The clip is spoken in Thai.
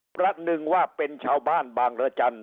ประหนึ่งว่าเป็นชาวบ้านบางรจันทร์